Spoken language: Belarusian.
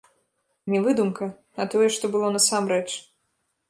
Не выдумка, а тое, што было насамрэч.